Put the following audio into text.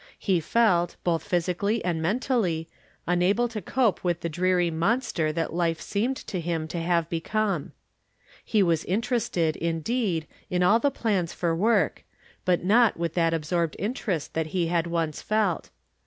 He felt, both physically and mentally, unable to cope with the dreary monster that life From Different Standpoints. 305 seemed to him to have become. He was inter ested, indeed, in all the plans for work, but not with that absorbed interest that he had once felt.